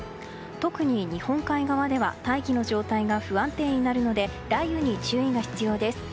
特に日本海側では大気の状態が不安定になるので雷雨に注意が必要です。